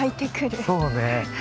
そうね。